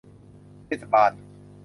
เทศบาล